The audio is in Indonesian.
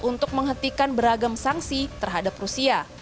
untuk menghentikan beragam sanksi terhadap rusia